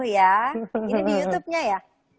ya ini di youtube nya ya